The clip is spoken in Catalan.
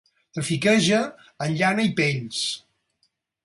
Trafiqueja en llana i pells.